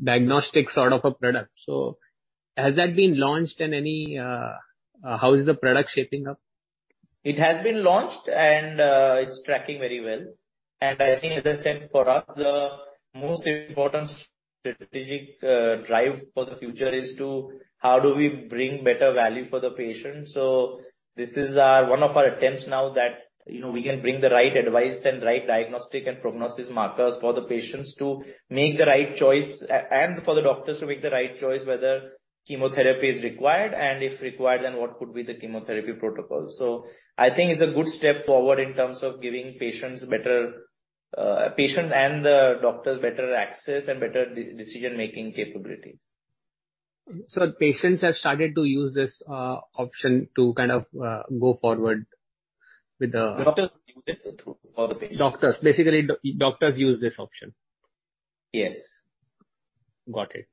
diagnostic sort of a product. Has that been launched in any, how is the product shaping up? It has been launched and it's tracking very well. I think, as I said, for us, the most important strategic drive for the future is to how do we bring better value for the patient. This is one of our attempts now that, you know, we can bring the right advice and right diagnostic and prognosis markers for the patients to make the right choice and for the doctors to make the right choice whether chemotherapy is required, and if required, then what could be the chemotherapy protocol. I think it's a good step forward in terms of giving patients better, patient and the doctors better access and better decision-making capabilities. Patients have started to use this option to kind of go forward. Doctors use it for the patients. Doctors. Basically doctors use this option. Yes. Got it.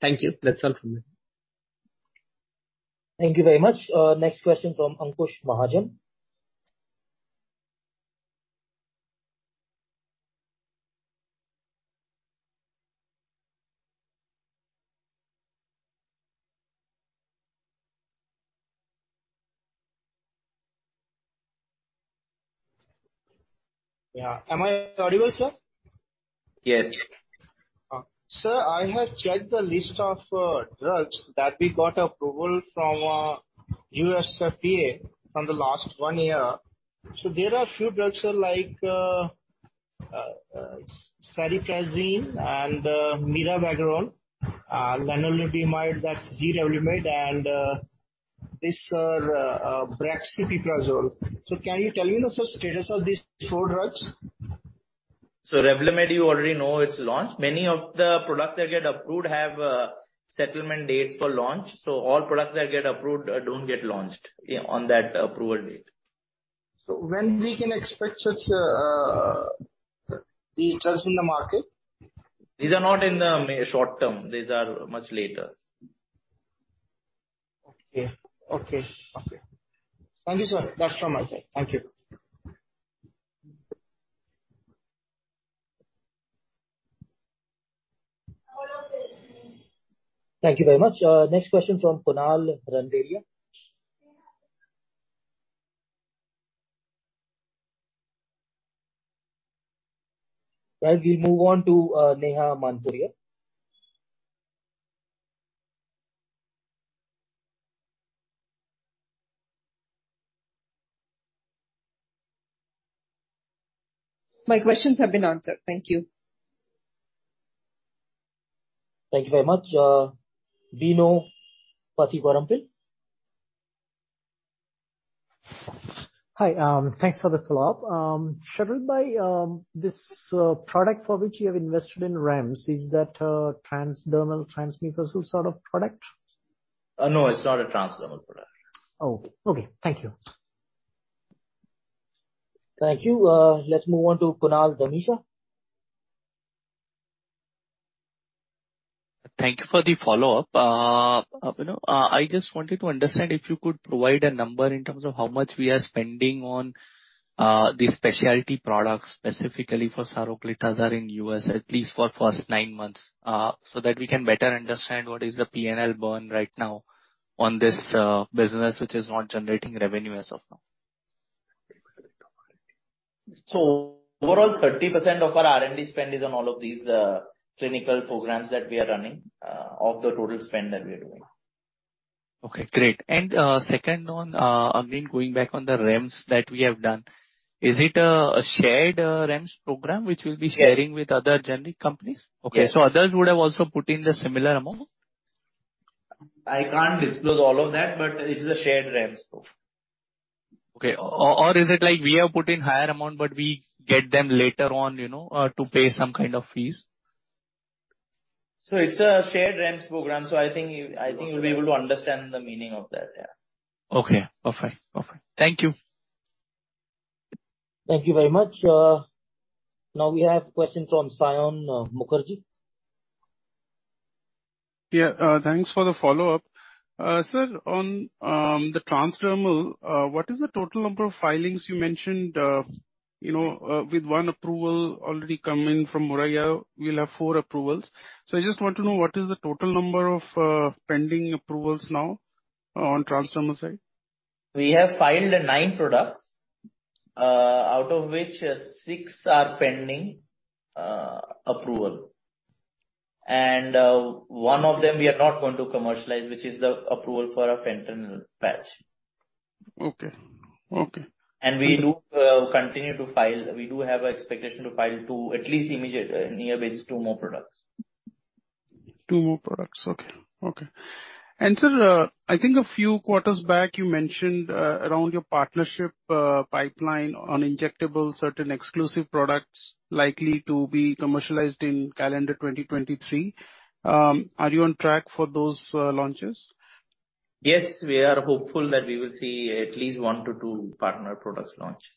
Thank you. That's all from me. Thank you very much. Next question from Ankush Mahajan. Yeah. Am I audible, sir? Yes. Sir, I have checked the list of drugs that we got approval from USFDA from the last one year. There are a few drugs, sir, like Cetuximab, Mirabegron, Lenalidomide, that's Revlimid, and this Brexpiprazole. Can you tell me, sir, the status of these four drugs? Revlimid, you already know it's launched. Many of the products that get approved have settlement dates for launch. All products that get approved don't get launched, yeah, on that approval date. When we can expect such, these drugs in the market? These are not in the short term. These are much later. Okay. Okay. Okay. Thank you, sir. That's from my side. Thank you. Thank you very much. Next question from Kunal Randeria. We move on to Neha Manpuria. My questions have been answered. Thank you. Thank you very much. Bino Pathiparampil. Hi, thanks for the follow-up. Sharvil bhai, this product for which you have invested in REMS, is that a transdermal transmucosal sort of product? No, it's not a transdermal product. Oh, okay. Thank you. Thank you. Let's move on to Kunal Dhamesha. Thank you for the follow-up. you know, I just wanted to understand if you could provide a number in terms of how much we are spending on the specialty products, specifically for Saroglitazar in U.S., at least for first nine months, so that we can better understand what is the P&L burn right now on this business which is not generating revenue as of now. Overall, 30% of our R&D spend is on all of these clinical programs that we are running, of the total spend that we are doing. Okay, great. Second on, again, going back on the REMS that we have done, is it a shared REMS program sharing with other generic companies? Yes. Okay. Others would have also put in the similar amount? I can't disclose all of that, but it is a shared REMS program. Okay. Or is it like we have put in higher amount, but we get them later on, you know, to pay some kind of fees? It's a shared REMS program, so I think you'll be able to understand the meaning of that, yeah. Okay. Perfect. Perfect. Thank you. Thank you very much. Now we have questions from Saion Mukherjee. Yeah. Thanks for the follow-up. Sir, on the transdermal, what is the total number of filings you mentioned, you know, with one approval already coming from Moraiya, we'll have four approvals. I just want to know what is the total number of pending approvals now on transdermal side? We have filed nine products, out of which six are pending approval. One of them we are not going to commercialize, which is the approval for a fentanyl patch. Okay. Okay. We do continue to file. We do have expectation to file two, at least immediate, near basis, two more products. Two more products. Okay. Okay. Sir, I think a few quarters back you mentioned around your partnership pipeline on injectables, certain exclusive products likely to be commercialized in calendar 2023. Are you on track for those launches? Yes, we are hopeful that we will see at least one to two partner products launches.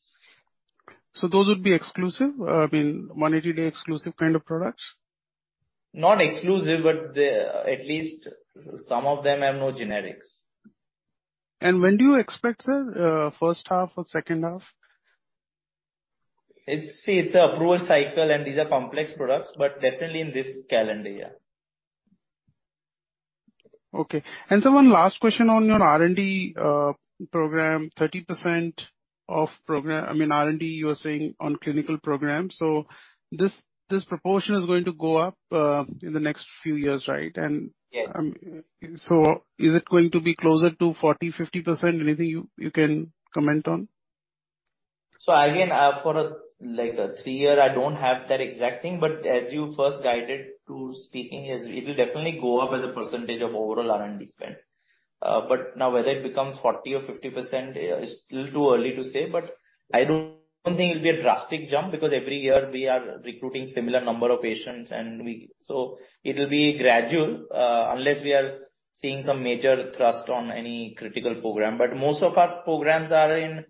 Those would be exclusive, I mean, 180-day exclusive kind of products? Not exclusive, but they at least some of them have no generics. When do you expect, sir? first half or second half? It's approval cycle, and these are complex products, but definitely in this calendar year. Okay. Sir, one last question on your R&D program. 30% of program, I mean R&D you were saying on clinical program, this proportion is going to go up in the next few years, right? Yes. Is it going to be closer to 40%-50%? Anything you can comment on? Again, for a three year, I don't have that exact thing, but as you first guided to speaking is it'll definitely go up as a percentage of overall R&D spend. Now whether it becomes 40% or 50%, it's still too early to say, but I don't think it'll be a drastic jump because every year we are recruiting similar number of patients and it'll be gradual, unless we are seeing some major thrust on any critical program. Most of our programs are in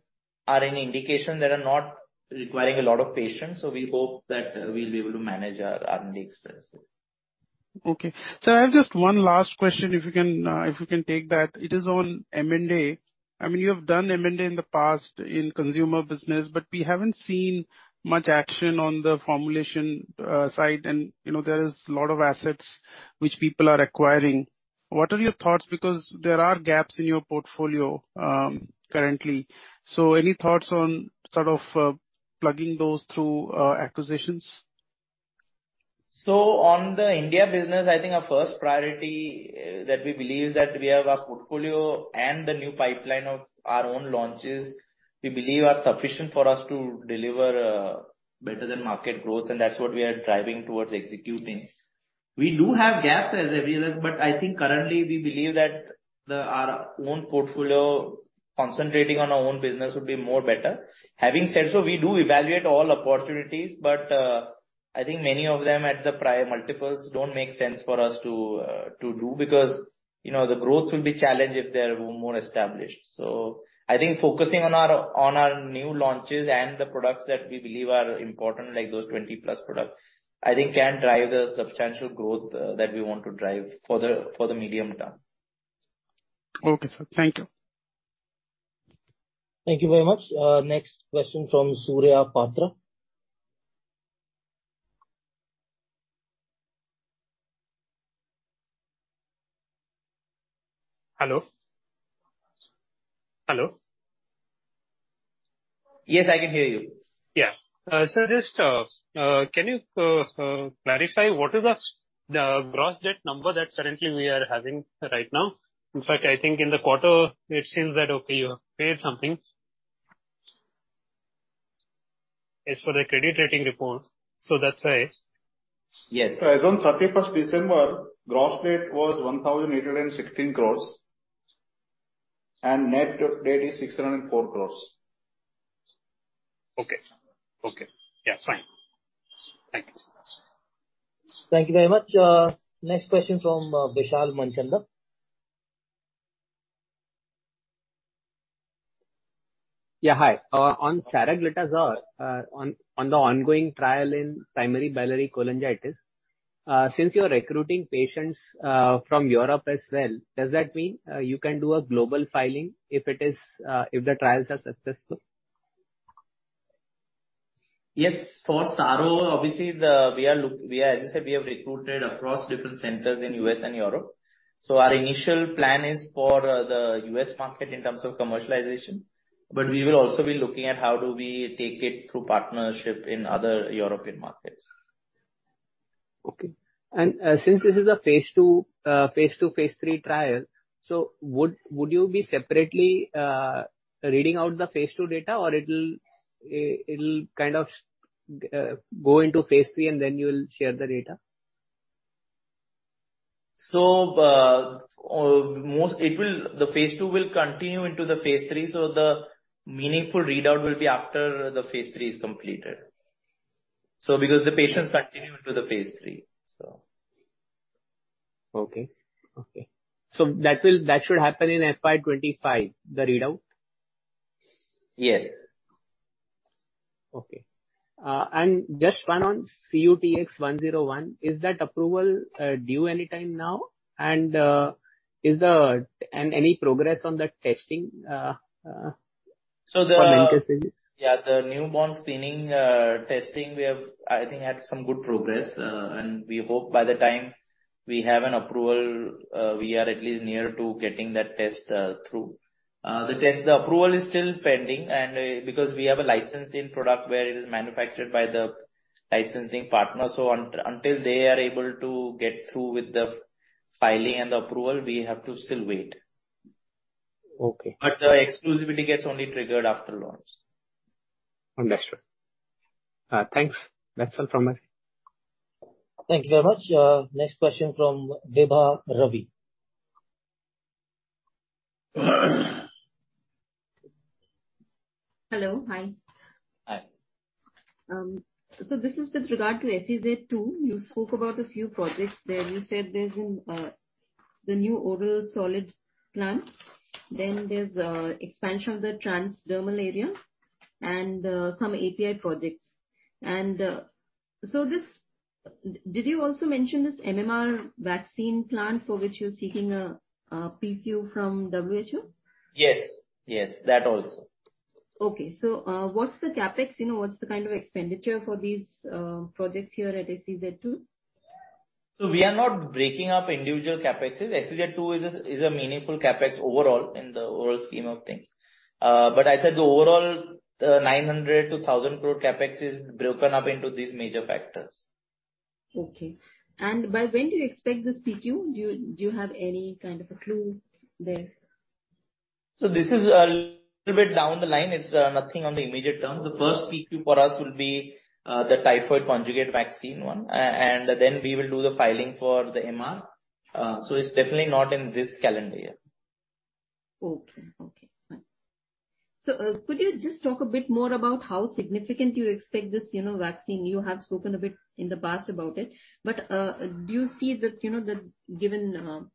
indication that are not requiring a lot of patients, so we hope that we'll be able to manage our R&D expenses. Okay. Sir, I have just one last question, if you can, if you can take that. It is on M&A. I mean, you have done M&A in the past in consumer business, but we haven't seen much action on the formulation side and, you know, there is lot of assets which people are acquiring. What are your thoughts? Because there are gaps in your portfolio currently. So any thoughts on sort of, plugging those through acquisitions? On the India business, I think our first priority that we believe is that we have our portfolio and the new pipeline of our own launches, we believe are sufficient for us to deliver better than market growth and that's what we are driving towards executing. We do have gaps as every other, but I think currently we believe that our own portfolio, concentrating on our own business would be more better. Having said so, we do evaluate all opportunities, but I think many of them at the prior multiples don't make sense for us to do because, you know, the growth will be challenged if they're more established. I think focusing on our new launches and the products that we believe are important, like those 20+ products, I think can drive the substantial growth that we want to drive for the medium term. Okay sir. Thank you. Thank you very much. Next question from Surya Patra. Hello? Hello? Yes, I can hear you. Yeah. Sir, just, can you clarify what is the gross debt number that currently we are having right now. I think in the quarter it seems that, okay, you have paid something. As for the credit rating report, that's why. Yes. As on 31st December, gross debt was 1,816 crores and net debt is 604 crores. Okay. Okay. Yeah, fine. Thank you. Thank you very much. Next question from Vishal Manchanda. Yeah, hi. On Saroglitazar, on the ongoing trial in primary biliary cholangitis, since you are recruiting patients from Europe as well, does that mean you can do a global filing if it is if the trials are successful? Yes. For Saro, obviously, as I said, we have recruited across different centers in U.S. and Europe. Our initial plan is for the U.S. market in terms of commercialization, but we will also be looking at how do we take it through partnership in other European markets. Okay. Since this is a phase II, phase III trial, would you be separately reading out the phase II data, or it'll kind of go into phase III, and then you will share the data? The phase II will continue into the phase III, so the meaningful readout will be after the phase III is completed. Because the patients continue into the phase III, so. Okay. Okay. that should happen in FY 2025, the readout? Yes. Okay. Just one on CUTX-101. Is that approval due anytime now? Any progress on the testing? So the- for the interseries? Yeah, the newborn screening testing we have, I think had some good progress. We hope by the time we have an approval, we are at least near to getting that test through. The test, the approval is still pending and because we have a licensed end product where it is manufactured by the licensing partner. Until they are able to get through with the filing and the approval, we have to still wait. Okay. The exclusivity gets only triggered after launch. Understood. Thanks. That's all from my side. Thank you very much. Next question from Vaibhav Ravi. Hello. Hi. Hi. This is with regard to SEZ II. You spoke about a few projects there. You said there's a new oral solid plant. There's expansion of the transdermal area and some API projects. Did you also mention this MMR vaccine plant for which you're seeking a PQ from WHO? Yes. Yes, that also. What's the CapEx? You know, what's the kind of expenditure for these projects here at SEZ II? We are not breaking up individual CapExes. SEZ II is a meaningful CapEx overall in the overall scheme of things. I said the overall 900-1,000 crore CapEx is broken up into these major factors. Okay. By when do you expect this PQ? Do you have any kind of a clue there? This is a little bit down the line. It's nothing on the immediate term. The first PQ for us will be the typhoid conjugate vaccine one, and then we will do the filing for the MR. It's definitely not in this calendar year. Okay. Okay. Could you just talk a bit more about how significant you expect this, you know, vaccine? You have spoken a bit in the past about it, do you see that, you know, the given,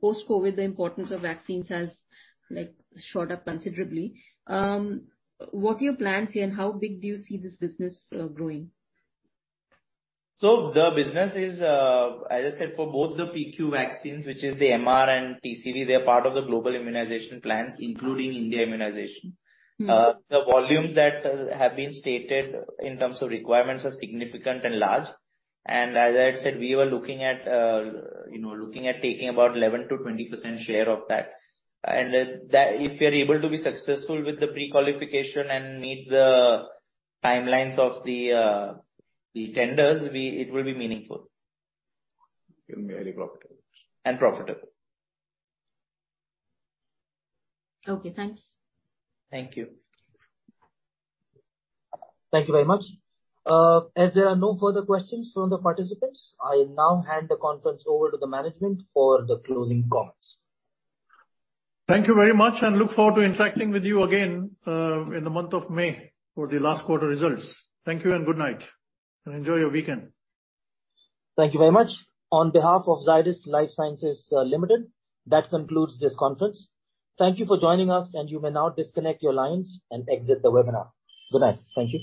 post-COVID, the importance of vaccines has, like, shot up considerably. What are your plans here, and how big do you see this business growing? The business is, as I said, for both the PQ vaccines, which is the MR and TCV, they're part of the global immunization plans, including India immunization. Mm-hmm. The volumes that have been stated in terms of requirements are significant and large. As I said, we were looking at taking about 11%-20% share of that. That if we are able to be successful with the pre-qualification and meet the timelines of the tenders, it will be meaningful. Very profitable. Profitable. Okay, thanks. Thank you. Thank you very much. As there are no further questions from the participants, I now hand the conference over to the management for the closing comments. Thank you very much and look forward to interacting with you again in the month of May for the last quarter results. Thank you and good night, and enjoy your weekend. Thank you very much. On behalf of Zydus Lifesciences Limited, that concludes this conference. Thank you for joining us. You may now disconnect your lines and exit the webinar. Good night. Thank you.